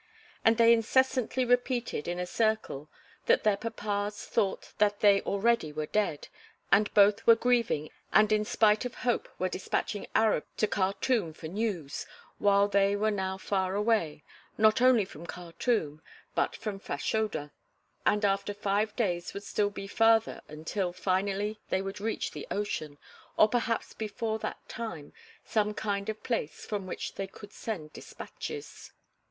And they incessantly repeated in a circle that their papas thought that they already were dead and both were grieving and in spite of hope were despatching Arabs to Khartûm for news while they were now far away, not only from Khartûm but from Fashoda, and after five days would be still farther until finally they would reach the ocean, or perhaps before that time, some kind of place from which they could send despatches.